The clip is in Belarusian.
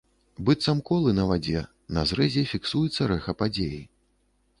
Быццам колы на вадзе, на зрэзе фіксуецца рэха падзеі.